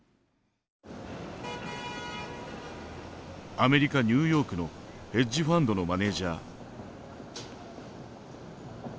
アメリカ・ニューヨークのヘッジファンドのマネージャー。